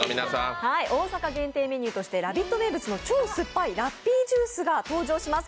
大阪限定メニューとして「ラヴィット！」名物の超酸っぱいラッピージュースが登場します。